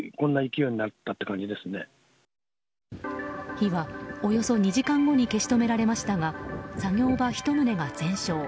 火はおよそ２時間後に消し止められましたが作業場１棟が全焼。